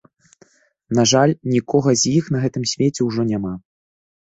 На жаль, нікога з іх на гэтым свеце ўжо няма.